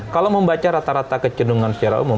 kalau membaca rata rata kecendungan secara umum